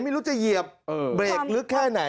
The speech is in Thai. ไม่รู้จะเหยียบเบรกลึกแค่ไหน